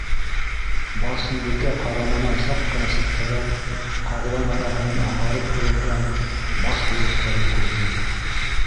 - Барсынбикә ҡараманан саҡ ҡына ситтәрәк, ҡаулан араһынан ағарып күренгән баш һөйәктәрен күрҙе.